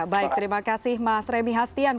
baik terima kasih mas remi hastian